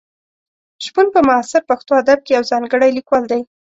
شپون په معاصر پښتو ادب کې یو ځانګړی لیکوال دی.